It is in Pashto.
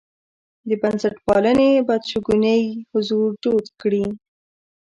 د بنسټپالنې بدشګونی حضور جوت کړي.